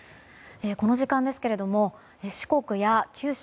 この時間ですが四国や九州